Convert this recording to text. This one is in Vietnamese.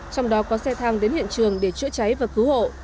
trong đó có xe thang đến hiện trường để chữa cháy và cứu hộ